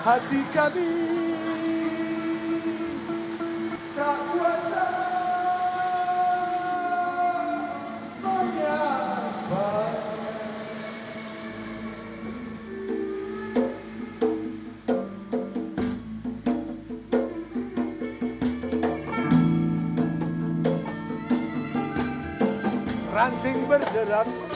hati kami tak kuasa menyambar